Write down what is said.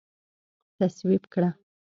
تصویب کړه